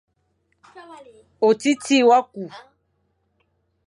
Otiti wa kü,